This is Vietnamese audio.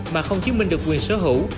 mà không chứng minh được quyền sở hữu